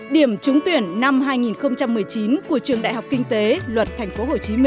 điểm trúng tuyển năm hai nghìn một mươi chín của trường đại học kinh tế luật tp hcm